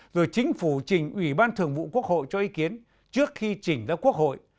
rồi chính phủ trình ủy ban thường vụ quốc hội cho ý kiến trước khi chỉnh ra quốc hội